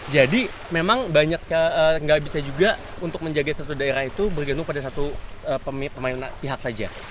jadi memang banyak sekali nggak bisa juga untuk menjaga satu daerah itu bergantung pada satu pemain pihak saja